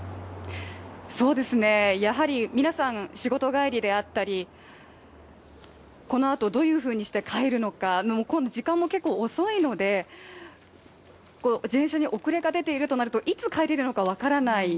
やはり皆さん仕事帰りであったりこのあとどういうふうにして帰るのか時間も結構遅いので、電車に遅れが出ているとなると、いつ帰れるのか分からない。